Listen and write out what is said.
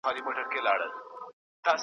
د دې کښت حاصل قاتل زموږ د ځان دی .